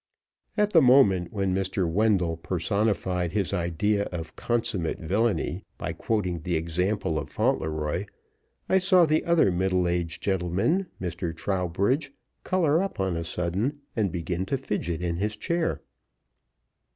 At the moment when Mr. Wendell personified his idea of consummate villainy by quoting the example of Fauntleroy, I saw the other middle aged gentleman Mr. Trowbridge color up on a sudden, and begin to fidget in his chair.